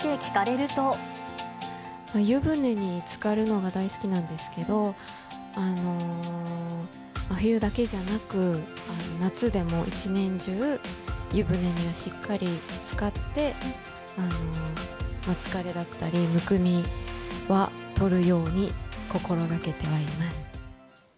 湯船につかるのが大好きなんですけど、冬だけじゃなく、夏でも、一年中、湯船にはしっかりつかって、疲れだったり、むくみは取るように心がけてはいます。